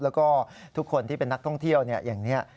แล้วก็ทุกคนที่เป็นนักท่องเที่ยวอย่างนี้